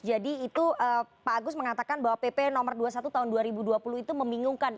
jadi itu pak agus mengatakan bahwa pp nomor dua puluh satu tahun dua ribu dua puluh itu membingungkan